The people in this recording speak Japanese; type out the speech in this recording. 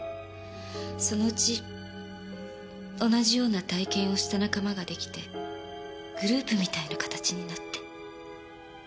そのうち同じような体験をした仲間ができてグループみたいな形になって。